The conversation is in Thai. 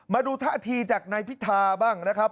มาดูท่าทีจากนายพิธาบ้างนะครับ